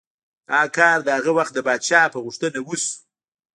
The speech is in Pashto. دا کار د هغه وخت د پادشاه په غوښتنه وشو.